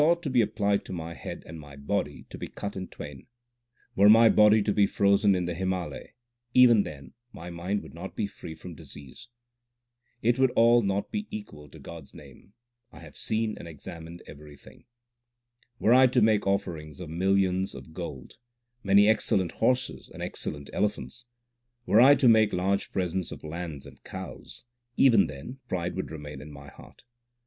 274 THE SIKH RELIGION Were a saw to be applied to my head and my body to be cut in twain ; l Were my body to be frozen in the Himalayas, even then my mind would not be free from disease It would all not be equal to God s name I have seen and examined everything Were I to make offerings of millions of gold, many ex cellent horses and excellent elephants ; Were I to make large presents of lands and cows, even then pride would remain in my heart.